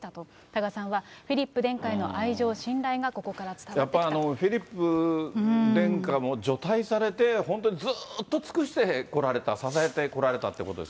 多賀さんは、フィリップ殿下への愛情、信頼がここから伝わってきやっぱりフィリップ殿下、除隊されて、本当にずっと尽くしてこられた、支えてこられたって